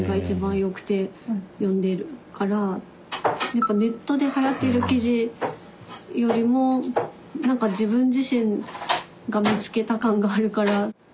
やっぱネットではやってる記事よりも何か自分自身が見つけた感があるから。